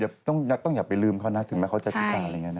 จริงแล้วต้องอย่าไปลืมเขานะถึงว่าเขาจะฝีก่าอะไรอย่างนี้นะ